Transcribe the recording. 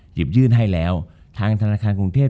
จบการโรงแรมจบการโรงแรม